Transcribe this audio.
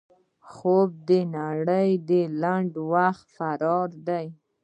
خوب د نړۍ نه لنډ وخت فرار دی